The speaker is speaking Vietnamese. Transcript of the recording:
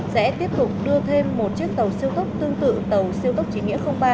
sẽ tiếp tục đưa thêm một chiếc tàu siêu tốc tương tự tàu siêu tốc trí nghĩa ba